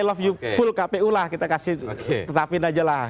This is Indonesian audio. love you full kpu lah kita kasih tetapin aja lah